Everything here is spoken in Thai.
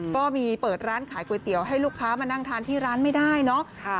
ก็มีเปิดร้านขายก๋วยเตี๋ยวให้ลูกค้ามานั่งทานที่ร้านไม่ได้เนาะ